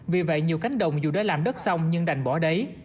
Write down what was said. vì vậy nhiều cánh đồng dù đã làm đất xong nhưng đành bỏ đấy